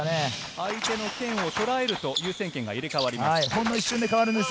相手の剣をとらえると優先権が入れ替わります。